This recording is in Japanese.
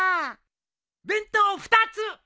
弁当２つ。